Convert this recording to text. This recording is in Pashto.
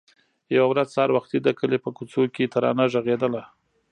يوه ورځ سهار وختي د کلي په کوڅو کې ترانه غږېدله.